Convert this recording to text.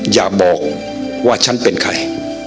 อย่าบอกว่าฉันเป็นใคร